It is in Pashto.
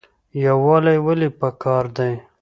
یووالی ولې پکار دی؟